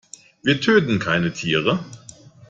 Wir töten keine Tiere.